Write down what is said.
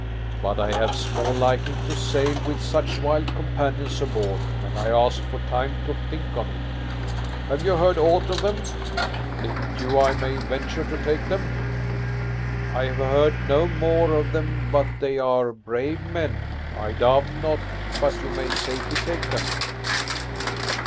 But I have small liking to sail with such wild companions aboard and I asked for time to think on it. Have you heard aught of them? Think you I may venture to take them?" "I have heard no more of them but that they are brave men. I doubt not but you may safely take them."